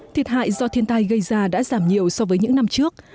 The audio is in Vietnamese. thiệt hại do thiên tai gây ra đã giảm nhiều so với những năm trước